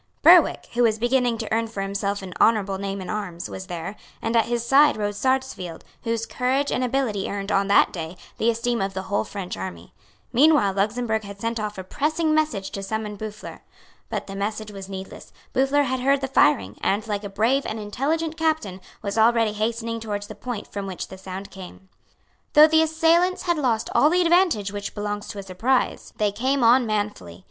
Berwick, who was beginning to earn for himself an honourable name in arms, was there; and at his side rode Sarsfield, whose courage and ability earned, on that day, the esteem of the whole French army. Meanwhile Luxemburg had sent off a pressing message to summon Boufflers. But the message was needless. Boufflers had heard the firing, and, like a brave and intelligent captain, was already hastening towards the point from which the sound came. Though the assailants had lost all the advantage which belongs to a surprise, they came on manfully.